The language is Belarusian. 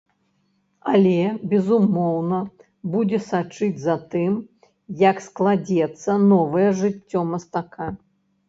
Але, безумоўна, будзе сачыць за тым, як складзецца новае жыццё мастака.